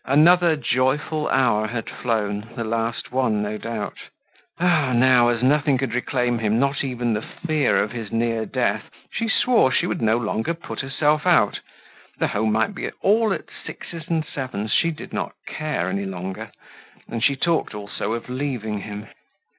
Another joyful hour had flown, the last one no doubt! Oh! now, as nothing could reclaim him, not even the fear of his near death, she swore she would no longer put herself out; the home might be all at sixes and sevens, she did not care any longer; and she talked also of leaving him.